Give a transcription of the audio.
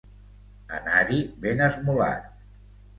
Anar-hi ben esmolat.